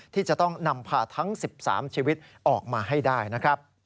ที่จะต้องนำพาทั้ง๑๓ชีวิตออกมาให้ได้นะครับ